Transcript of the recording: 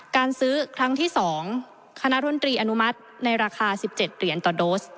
การซื้อครั้งที่๒คณะดนตรีอนุมัติในราคา๑๗เหรียญต่อโดส